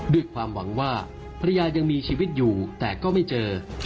ด้วยความหวังว่าภรรยายังมีชีวิตอยู่แต่ก็ไม่เจอ